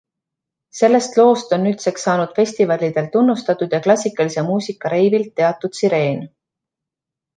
Sellest loost on nüüdseks saanud festivalidel tunnustatud ja klassikalise muusika reivilt teatud Sireen.